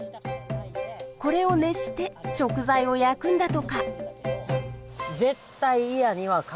これを熱して食材を焼くんだとか。